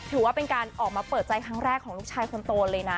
ถือว่าเป็นการออกมาเปิดใจครั้งแรกของลูกชายคนโตเลยนะ